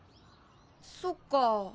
そっか。